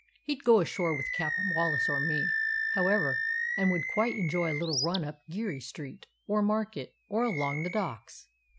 He 'd go ashore with Cap'n Wallace or me, however, and would quite enjoy a little run up Geary Street, or Market, or along the docks.